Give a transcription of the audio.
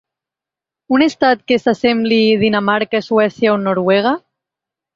Un estat que s’assembli Dinamarca, Suècia o Noruega?